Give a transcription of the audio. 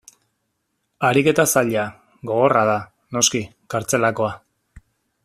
Ariketa zaila, gogorra da, noski, kartzelakoa.